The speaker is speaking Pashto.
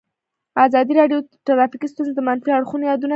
ازادي راډیو د ټرافیکي ستونزې د منفي اړخونو یادونه کړې.